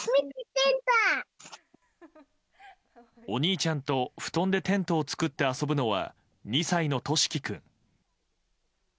お兄ちゃんと布団でテントを作って遊ぶのは２歳のとしき君。